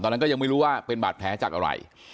ตอนนั้นก็ยังไม่รู้ว่าเป็นบาดแผลจากอะไร